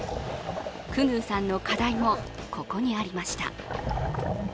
久々宇さんの課題もここにありました。